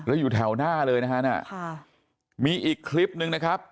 แล้วอยู่แถวหน้าเลยนะฮะมีอีกคลิปนึงนะครับ